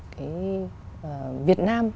cái việt nam